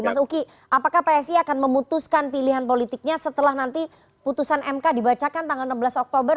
mas uki apakah psi akan memutuskan pilihan politiknya setelah nanti putusan mk dibacakan tanggal enam belas oktober